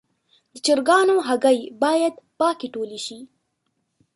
د چرګانو هګۍ باید پاکې ټولې شي.